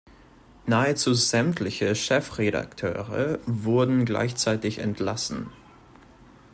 Nahezu sämtliche Chefredakteure wurden gleichzeitig entlassen.